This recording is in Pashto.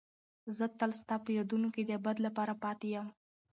زه تل ستا په یادونو کې د ابد لپاره پاتې یم.